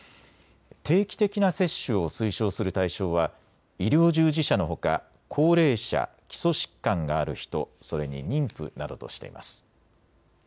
定期的な接種を推奨する対象は医療従事者のほか高齢者、基礎疾患がある人、それに妊婦などとしています。